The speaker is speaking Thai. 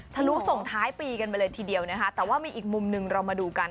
ทะลุส่งท้ายปีกันไปเลยทีเดียวนะคะแต่ว่ามีอีกมุมหนึ่งเรามาดูกัน